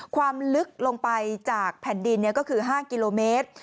ความลึกลงไปจากแผ่นดินก็คือ๕กิโลเมตร